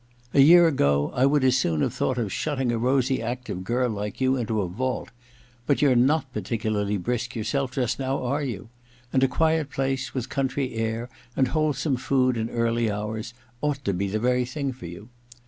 A year ago I would as soon h2ve thought of shutting a rosy active girl like you into a vault ; but you're not parti cularly brisk yourself just now, are you r and a quiet place, with country air and wholesome food and early hours, ought to be the very thing for you.